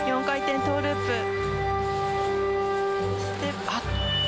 ４回転トウループ。